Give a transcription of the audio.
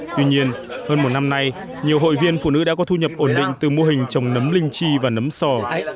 tuy nhiên hơn một năm nay nhiều hội viên phụ nữ đã có thu nhập ổn định từ mô hình trồng nấm linh chi và nấm sò